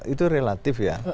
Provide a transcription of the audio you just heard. itu relatif ya